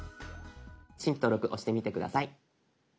「新規登録」押してみて下さい。